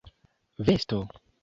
vesto